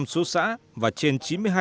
một trăm linh số xã và trên chín mươi hai